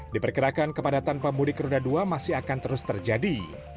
diperkirakan kepadatan pemudik roda dua masih akan terus terjadi